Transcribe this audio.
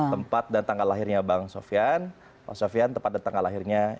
tempat dan tanggal lahirnya bang sofian bang sofian tepat dan tanggal lahirnya